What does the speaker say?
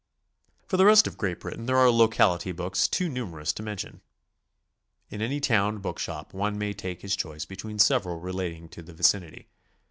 For the rest of Great Britain there are locality books too numerous to mention. In any town book shop one may take his choice between several relating to the vicinity.